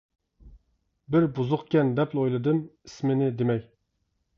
بىر بۇزۇقكەن دەپلا ئويلىدىم. ئىسمىنى دېمەي.